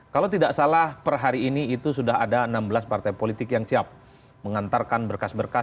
kalau tidak salah per hari ini itu sudah ada enam belas partai politik yang siap mengantarkan berkas berkas